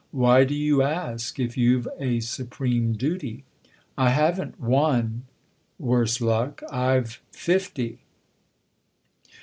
" Why do you ask, if you've a supreme duty ?"" I haven't one worse luck. I've fifty."